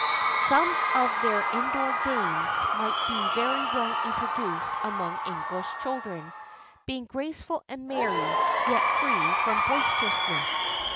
Some of their indoor games might be very well introduced among English children, being graceful and merry, yet free from boisterousness.